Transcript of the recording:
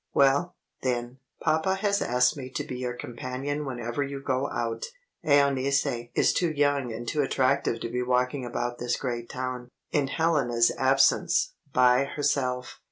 Well, then, papa has asked me to be your companion whenever you go out. 'Euneece is too young and too attractive to be walking about this great town (in Helena's absence) by herself.